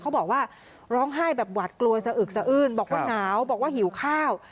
บอกว่าร้องไห้แบบหวัดกลัวสะอึกสะอื้นบอกว่าหนาวบอกว่าหิวข้าว